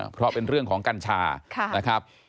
เพราะเป็นเรื่องของกัญชานะครับ